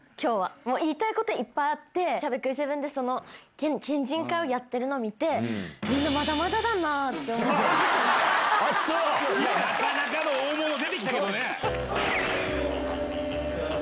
もう言いたいこといっぱいあって、しゃべくり００７で、県人会をやってるのを見て、あっ、そう。なかなかの大物出てきたけどね。